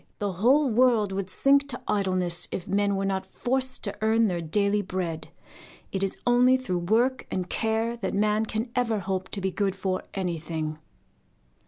The whole world would sink to idleness if men were not forced to earn their daily bread. It is only through work and care that man can ever hope to be good for anything.